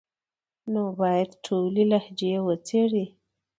نو بايد ټولي لهجې وڅېړي،